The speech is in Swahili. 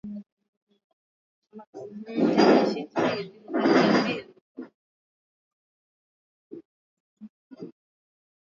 alifaulu kuteka Mombasa iliyokuwa mji pekee wa kujitegemea kati ya miji yote ya Uswahilini